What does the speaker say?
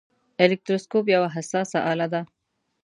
الکتروسکوپ یوه حساسه آله ده.